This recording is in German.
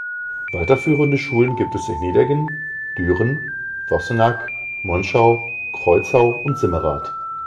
Weiterführende Schulen gibt es in Nideggen, Düren, Vossenack, Monschau, Kreuzau und Simmerath.